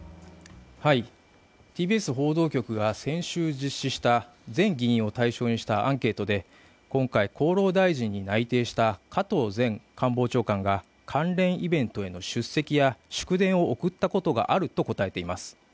ＴＢＳ報道局が先週、実施した全議員を対象にしたアンケートで今回、厚労大臣に内定した加藤前官房長官が関連イベントへの出席や祝電を送ったことがあると答えています。